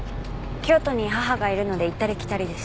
京都に母がいるので行ったり来たりです。